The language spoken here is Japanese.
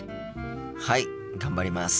はい頑張ります。